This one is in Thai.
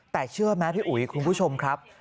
แต่เชื่อไหมพี่อุ๋ยคุณผู้ชมครับ